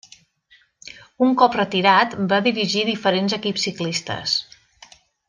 Un cop retirat, va dirigir diferents equips ciclistes.